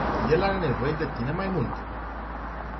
El are nevoie de tine mai mult.